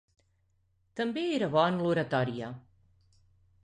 També era bo en l'oratòria.